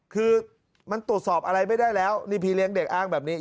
คือมันตรวจสอบอะไรไม่ได้แล้วนี่พี่เลี้ยงเด็กอ้างแบบนี้